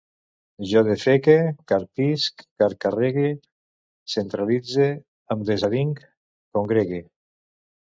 Jo defeque, carpisc, cascarrege, centralitze, em desavinc, congregue